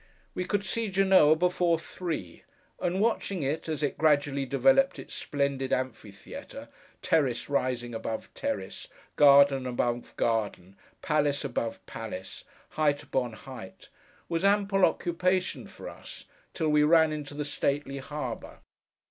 We could see Genoa before three; and watching it as it gradually developed its splendid amphitheatre, terrace rising above terrace, garden above garden, palace above palace, height upon height, was ample occupation for us, till we ran into the stately harbour.